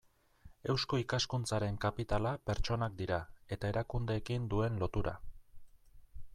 Eusko Ikaskuntzaren kapitala pertsonak dira eta erakundeekin duen lotura.